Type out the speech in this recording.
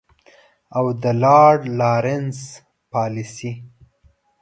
او د لارډ لارنس پالیسي.